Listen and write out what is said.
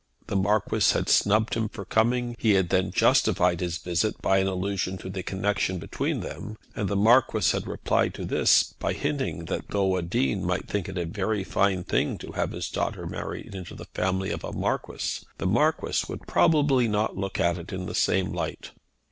The Marquis had snubbed him for coming. He had then justified his visit by an allusion to the connection between them, and the Marquis had replied to this by hinting that though a Dean might think it a very fine thing to have his daughter married into the family of a Marquis, the Marquis probably would not look at it in the same light.